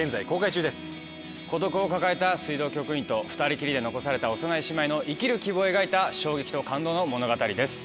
孤独を抱えた水道局員と２人きりで残された幼い姉妹の生きる希望を描いた衝撃と感動の物語です。